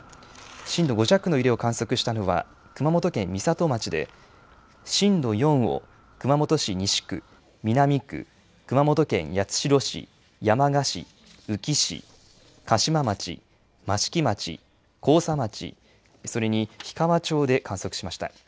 震度５弱の揺れを観測したのは、熊本県美里町で、震度４を熊本市西区、南区、熊本県八代市、山鹿市、宇城市、嘉島町、益城町、甲佐町、それに氷川町で観測しました。